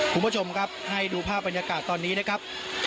คุณผู้ชมครับให้ดูภาพบรรยากาศตอนนี้นะครับ